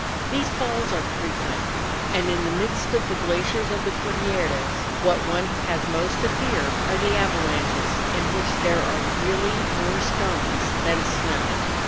These falls are frequent, and in the midst of the glaciers of the Cordilleras what one has most to fear are the avalanches in which there are really more stones than snow.